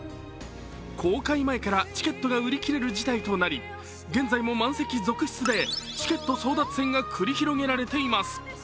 公開前からチケットが売り切れる事態となり、現在も満席続出でチケット争奪戦が繰り広げられています。